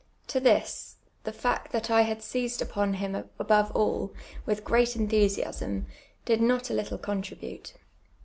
To this, the fact that I had seized iij)on him above all, with preat enthusiasm, did not a little contribute.